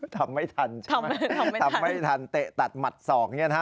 ทำไม่ทันใช่ไหมทำไม่ทันเตะตัดหมัดศอกเนี่ยนะฮะ